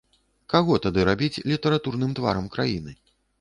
Каго тады рабіць літаратурным тварам краіны?